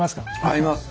合います！